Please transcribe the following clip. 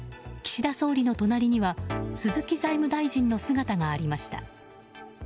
岸田総理の隣には鈴木財務大臣の姿がありました。